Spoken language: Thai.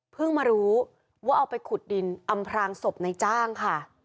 มารู้ว่าเอาไปขุดดินอำพรางศพในจ้างค่ะ